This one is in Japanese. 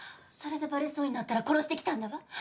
それでバレそうになったら殺してきたんだわ！